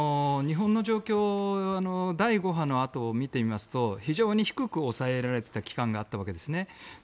日本の状況を第５波のあとを見てみますと非常に低く抑えられていた期間があったわけですね。